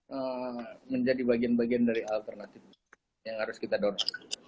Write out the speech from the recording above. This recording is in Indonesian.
ubi sagu menjadi bagian bagian dari alternatif yang harus kita donat